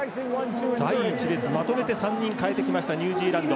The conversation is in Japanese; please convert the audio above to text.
第１列、まとめて３人代えてきましたニュージーランド。